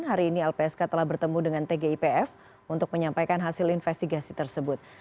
hari ini lpsk telah bertemu dengan tgipf untuk menyampaikan hasil investigasi tersebut